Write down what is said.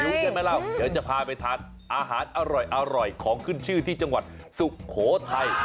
ใช่ไหมเราเดี๋ยวจะพาไปทานอาหารอร่อยของขึ้นชื่อที่จังหวัดสุโขทัย